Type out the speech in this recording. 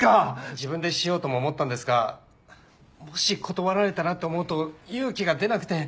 自分でしようとも思ったんですがもし断られたらって思うと勇気が出なくて。